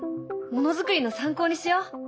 ものづくりの参考にしよう。